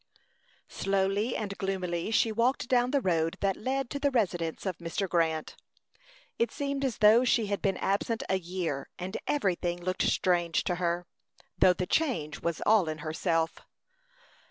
Slowly and gloomily she walked down the road that led to the residence of Mr. Grant. It seemed as though she had been absent a year, and everything looked strange to her, though the change was all in herself.